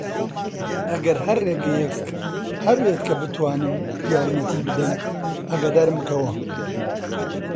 ئەگەر هەر ڕێگەیەک هەبێت کە بتوانم یارمەتی بدەم، ئاگادارم بکەوە.